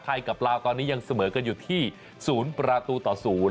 ไทยกับลาวตอนนี้ยังเสมอกันอยู่ที่ศูนย์ประตูต่อศูนย์